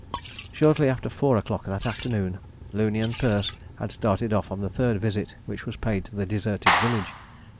Shortly after four o'clock that afternoon Looney and Perce had started off on the third visit which was paid to the deserted village.